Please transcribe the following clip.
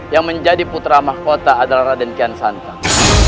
yang menjadi putra mahkota adalah raden kian santan